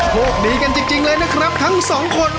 โชคดีกันจริงเลยนะครับทั้งสองคน